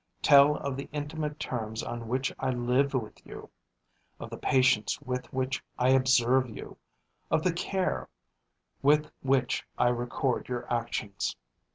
Tell of the intimate terms on which I live with you, of the patience with which I observe you, of the care with which I record your actions.